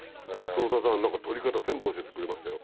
黒澤さん何か撮り方全部教えてくれましたよ。